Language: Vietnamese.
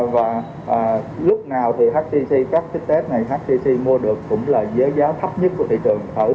và lúc nào thì hcdc các kích test này hcdc mua được cũng là giá giá thấp nhất của thị trường